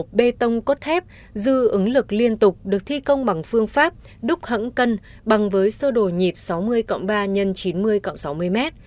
một bê tông cốt thép dư ứng lực liên tục được thi công bằng phương pháp đúc hẳng cân bằng với sơ đồ nhịp sáu mươi ba x chín mươi sáu mươi m